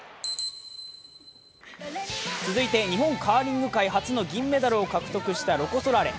続いて日本カーリング界初の銀メダルを獲得したロコ・ソラーレ。